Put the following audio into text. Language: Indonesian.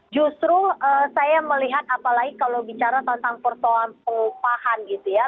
justru saya melihat apalagi kalau bicara tentang persoalan pengupahan gitu ya